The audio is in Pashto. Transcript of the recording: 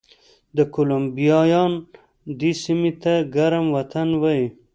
کولمبیایان دې سیمې ته ګرم وطن وایي.